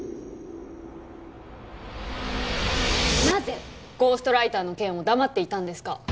なぜゴーストライターの件を黙っていたんですか？